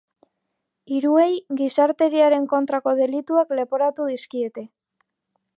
Hiruei gizateriaren kontrako delituak leporatu dizkiete.